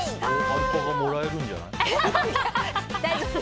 アルパカもらえるんじゃない？